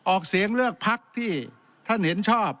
ออกเสียงเลือกพักที่ท่านเห็นชอบ